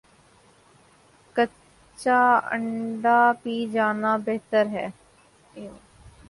کچا انڈہ پی جانا بہتر ہے